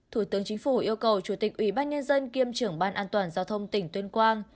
thủ tướng chính phủ yêu cầu chủ tịch ủy ban nhân dân kiêm trưởng ban an toàn giao thông tỉnh tuyên quang